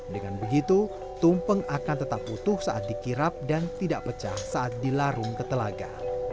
dengan begitu tumpeng akan tetap utuh saat dikirap dan tidak pecah saat dilarung ke telaga